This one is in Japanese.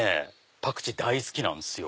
パクチー大好きなんですよ。